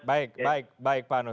baik baik baik pak ano